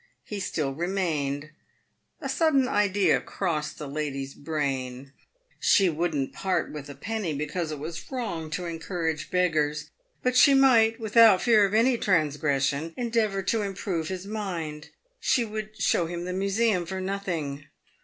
He still remained. A sudden idea crossed the lady's brain. She wouldn't part with a penny, be cause it was wrong to encourage beggars ; but she might, without fear of any transgression, endeavour to improve his mind. She would show him the museum for nothing.